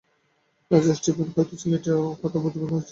রাজা স্টেফানকে হয়তো ছেলেটির কথা আমাদের বলা উচিত।